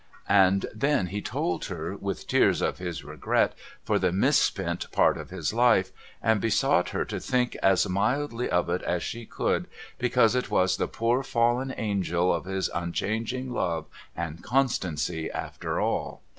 And then he told her, with tears, of his regret for the misspent part of his life, and besought her to think as mildly of it as she could, because it was the poor fallen Angel of his unchanging Love and Constancy after all.